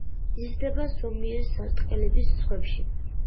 იზრდება ზომიერი სარტყლების ზღვებში.